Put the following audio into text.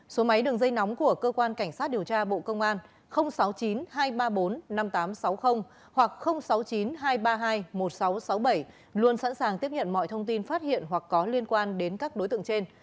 số máy đường dây nóng của cơ quan cảnh sát điều tra bộ công an sáu mươi chín hai trăm ba mươi bốn năm nghìn tám trăm sáu mươi hoặc sáu mươi chín hai trăm ba mươi hai một nghìn sáu trăm sáu mươi bảy luôn sẵn sàng tiếp nhận mọi thông tin phát hiện hoặc có liên quan đến các đối tượng trên